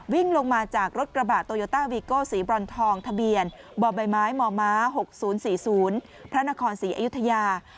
วิ่งลงมาจากรถกระบะโตโยต้าวีโก้สีบรอนทองทะเบียนบ่อใบไม้มม๖๐๔๐พระนครศรีอยุธยา